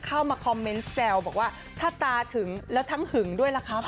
เข้ามาคอมเมนต์แซวบอกว่าถ้าตาถึงแล้วทั้งหึงด้วยล่ะครับ